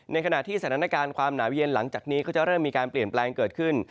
ในขณะที่สถานการณ์ความหนาวเย็นหลังจากนี้ก็จะเริ่มมีการเปลี่ยนแปลงเกิดขึ้น